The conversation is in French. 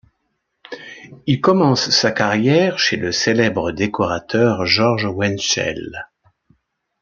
Il commence sa carrière chez le célèbre décorateur Georges Hoentschel.